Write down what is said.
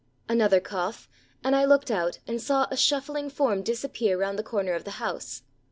Another cough, and I looked out and saw a shuffling form disappear round the corner of the house.